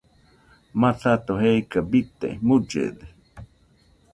Masato jeika bite mullede.